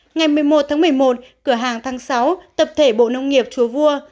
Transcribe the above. ngày một mươi một tháng một mươi một cửa hàng thắng sáu tập thể bộ nông nghiệp chùa vua